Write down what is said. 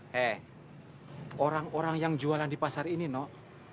he orang orang yang jualan di pasar ini noh